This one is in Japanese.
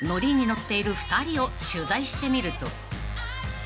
ッている２人を取材してみると］